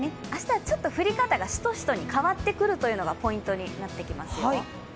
朝、ちょっと降り方がしとしとに変わってくるというのがポイントになってきますよ。